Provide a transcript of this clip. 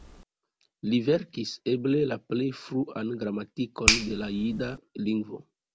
Li verkis eble la plej fruan gramatikon de la jida lingvo.